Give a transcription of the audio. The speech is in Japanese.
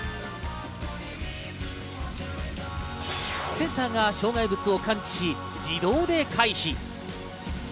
センサーが障害物を感知し、自動で回避。